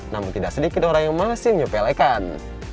namun tidak sedikit orang yang masih menyepelekan